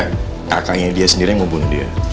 kakaknya dia sendiri yang mau bunuh dia